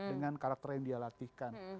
dengan karakter yang dia latihkan